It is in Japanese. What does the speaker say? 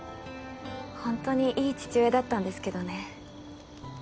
ほんとにいい父親だったんですけどね。